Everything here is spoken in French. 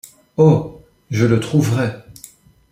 Oh ! je le trouverai.